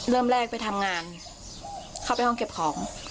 เริ่มแรกไปทำงานเข้าไปห้องเก็บของ